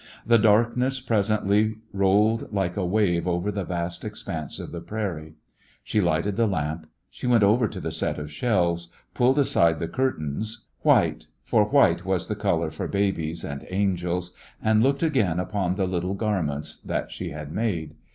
The dark ness presently rolled like a wave over the vast expanse of the prairie. She lighted the lamp. She went over to the set of shelves, pulled aside the curtains — white, for white was the color for babies and angels — and looked again upon the little garments that she had made.